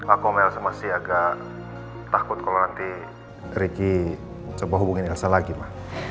aku sama elsa masih agak takut kalau nanti riki coba hubungin elsa lagi ma